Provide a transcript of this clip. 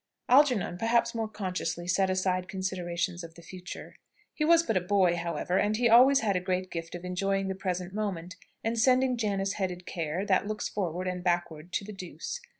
Algernon perhaps more consciously set aside considerations of the future. He was but a boy, however; and he always had a great gift of enjoying the present moment, and sending Janus headed Care, that looks forward and backward, to the deuce.